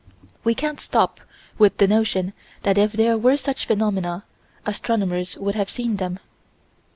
We can't stop with the notion that if there were such phenomena, astronomers would have seen them.